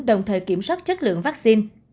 đồng thời kiểm soát chất lượng vắc xin